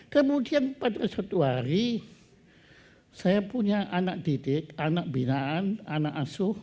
kemudian pada suatu hari saya punya anak didik anak binaan anak asuh